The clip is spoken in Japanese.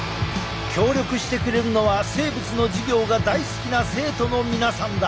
協力してくれるのは生物の授業が大好きな生徒の皆さんだ。